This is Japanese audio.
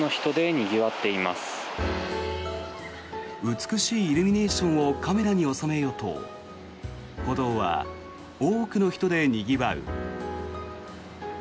美しいイルミネーションをカメラに収めようと歩道は多くの人でにぎわう。